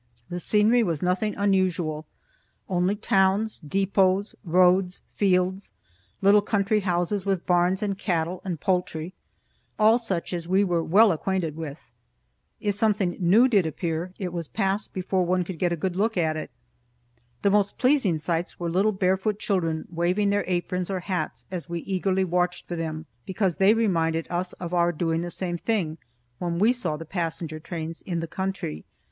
The scenery was nothing unusual, only towns, depots, roads, fields, little country houses with barns and cattle and poultry all such as we were well acquainted with. If something new did appear, it was passed before one could get a good look at it. The most pleasing sights were little barefoot children waving their aprons or hats as we eagerly watched for them, because that reminded us of our doing the same thing when we saw the passenger trains, in the country.